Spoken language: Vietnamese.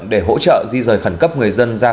để hỗ trợ di rời khẩn cấp người dân ra